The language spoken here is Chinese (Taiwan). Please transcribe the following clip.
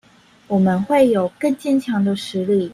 我們會有更堅強的實力